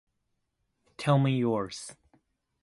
Tell me yours.